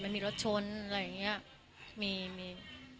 มันมีรถชนอะไรอย่างนี้